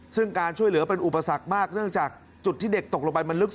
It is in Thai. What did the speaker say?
ซึ่งการช่วยเหลือเป็นอุปสรรคมากเนื่องจากจุดที่เด็กตกลงไปมันลึก